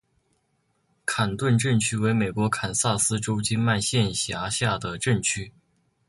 坎顿镇区为美国堪萨斯州金曼县辖下的镇区。